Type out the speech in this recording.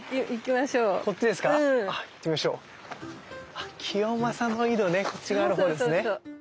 あっ清正の井戸ねこっち側のほうですね。